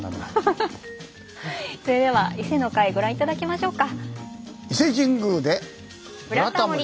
それでは「伊勢」の回ご覧頂きましょうか。